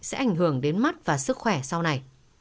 sẽ ảnh hưởng đến mắt và sức khỏe sau này